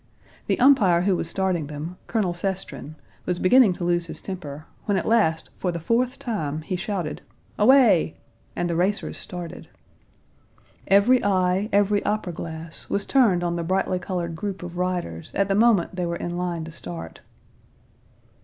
The umpire who was starting them, Colonel Sestrin, was beginning to lose his temper, when at last for the fourth time he shouted "Away!" and the racers started. Every eye, every opera glass, was turned on the brightly colored group of riders at the moment they were in line to start.